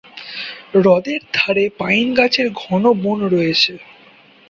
হ্রদের ধারে পাইন গাছের ঘন বন রয়েছে।